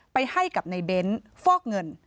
ไปให้กับนายเบ้นท์ฟอกเงิน